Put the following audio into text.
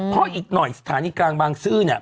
เพราะอีกหน่อยฐานี่กลางบางซื่อ